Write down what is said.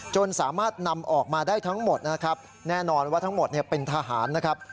จนสามารถนำออกมาได้ทั้งหมดนะครับแน่นอนว่าทั้งหมดเป็นทหารนะครับ